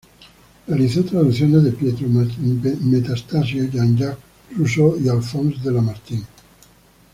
Realizó traducciones de Pietro Metastasio, Jean-Jacques Rousseau y Alphonse de Lamartine.